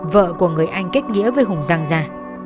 vợ của người anh kết nghĩa với hùng giang gia